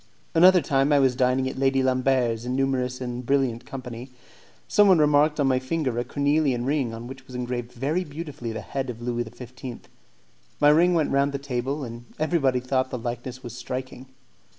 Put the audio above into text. Another time, I was dining at Lady Lambert's in numerous and brilliant company. Someone remarked on my finger a cornelian ring on which was engraved very beautifully the head of Louis XV. My ring went round the table, and everybody thought that the likeness was striking.